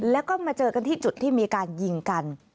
แล้วก็มาเจอกันที่จุดที่มีการยิงกัน